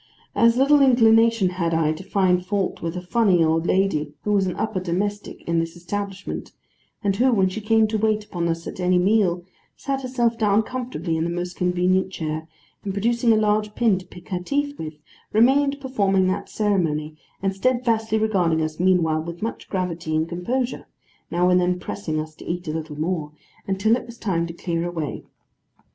As little inclination had I to find fault with a funny old lady who was an upper domestic in this establishment, and who, when she came to wait upon us at any meal, sat herself down comfortably in the most convenient chair, and producing a large pin to pick her teeth with, remained performing that ceremony, and steadfastly regarding us meanwhile with much gravity and composure (now and then pressing us to eat a little more), until it was time to clear away.